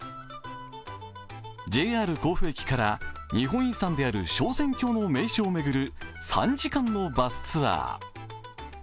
ＪＲ甲府駅から日本遺産である昇仙峡の名所を巡る３時間のバスツアー。